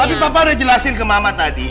tapi papa udah jelasin ke mama tadi